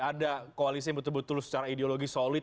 ada koalisi yang betul betul secara ideologi solid